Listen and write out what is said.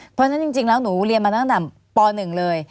เพราะฉะนั้นจริงแล้วหนูเรียนมาตั้งแต่ป๑เลย